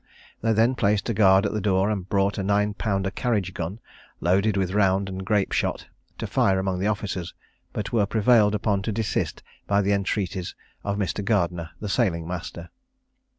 They then placed a guard at the door, and brought a nine pounder carriage gun, loaded with round and grape shot, to fire among the officers; but were prevailed upon to desist by the entreaties of Mr. Gardener, the sailing master.